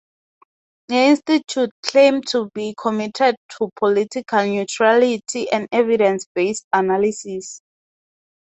The Institute claimed to be committed to political neutrality and evidence-based analysis.